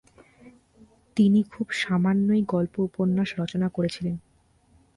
তিনি খুব সামান্যই গল্প-উপন্যাস রচনা করেছিলেন।